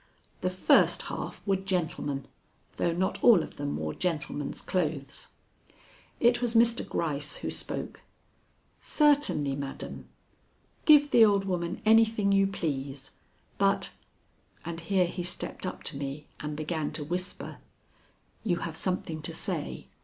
The first half were gentlemen, though not all of them wore gentlemen's clothes. It was Mr. Gryce who spoke: "Certainly, madam. Give the old woman anything you please, but " And here he stepped up to me and began to whisper; "You have something to say.